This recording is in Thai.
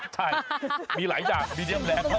ใช่มีหลายอย่าง